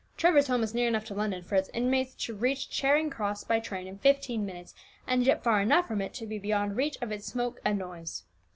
"Trevor's home is near enough to London for its inmates to reach Charing Cross by train in fifteen minutes, and yet far enough from it to be beyond reach of its smoke and noise.